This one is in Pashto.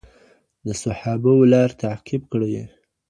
د صحابه وو لاره تعقیب کړئ.